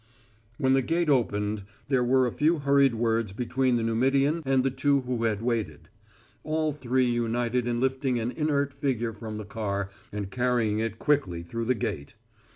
When the gate opened, there were a few hurried words between the Numidian and the two who had waited. All three united in lifting an inert figure from the car and carrying it quickly through the gate.